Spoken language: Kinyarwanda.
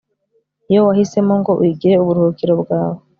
yo wahisemo ngo uyigire uburuhukiro bwawe